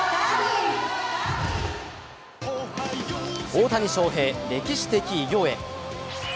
大谷翔平、歴史的偉業へ。